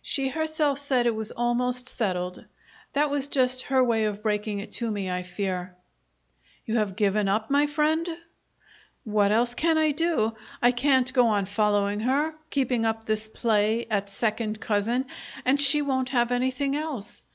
She herself said it was almost settled. That was just her way of breaking it to me, I fear." "You have given up, my friend?" "What else can I do? I can't go on following her, keeping up this play at second cousin, and she won't have anything else.